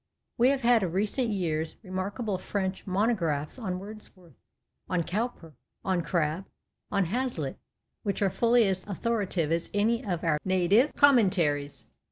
We have had of recent years remarkable French monographs on Wordsworth, on Co^vper, on Crabbe, on Hazlitt, which are fully as authoritative as any of our native commentaries.